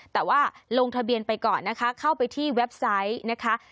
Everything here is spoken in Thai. แต่ว่าลงทะเบียนไปก่อนนะคะเข้าไปที่เว็บไซต์นะคะ